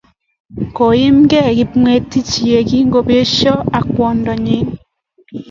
Koi imkey Kipng'etich ye kingopesyo ak kwandannyi.